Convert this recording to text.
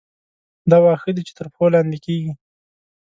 دا واښه دي چې تر پښو لاندې کېږي.